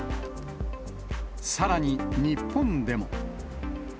さらに日本でも。